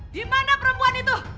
dimana perempuan itu